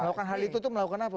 melakukan itu melakukan apa